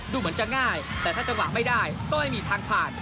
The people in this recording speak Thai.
ดูเหมือนจะง่ายแต่ถ้าจังหวะไม่ได้ก็ไม่มีทางผ่าน